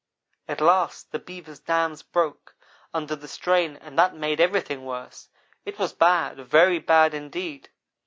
At last the Beavers' dams broke under the strain and that made everything worse. It was bad very bad, indeed.